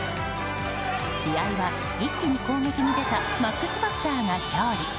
試合は一気に攻撃に出たマックスファクターが勝利。